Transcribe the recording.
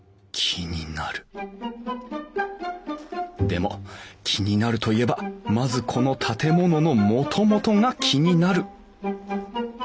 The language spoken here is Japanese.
でも気になるといえばまずこの建物のもともとが気になる。